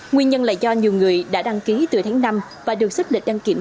nguyên nhân là do nhiều người đã đăng ký từ tháng năm và được xếp lịch đăng kiểm